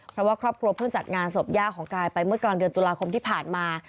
เพราะว่าครอบครัวเพิ่งจัดงานศพย่าของกายไปเมื่อกลางเดือนตุลาคมที่ผ่านมา